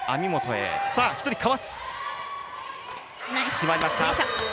決まりました！